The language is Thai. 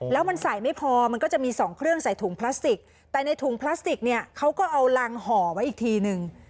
แล้วมันใส่ไม่พอมันก็จะมีสองเครื่องใส่ถุงพลาสติกแต่ในถุงพลาสติกเนี่ยเขาก็เอารังห่อไว้อีกทีนึง